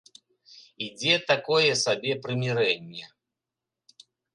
Ідзе такое сабе прымірэнне.